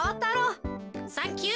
サンキュー。